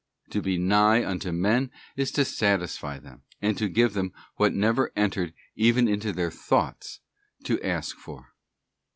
To be 'nigh' unto men is to satisfy them, and to give them what never entered even into their thoughts to ask for.